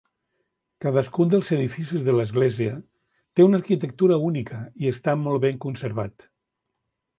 Cadascun dels edificis de l'església té una arquitectura única i està molt ben conservat.